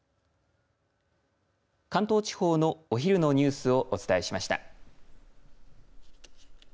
関東地方のお昼のニュースをお伝えしました。